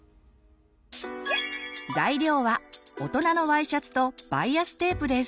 材料は大人のＹシャツとバイアステープです。